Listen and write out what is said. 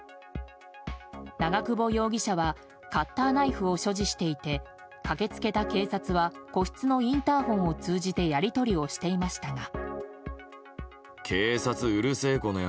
長久保容疑者はカッターナイフを所持していて駆け付けた警察は個室のインターホンを通じてやり取りをしていましたが。